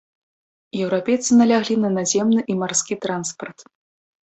Еўрапейцы наляглі на наземны і марскі транспарт.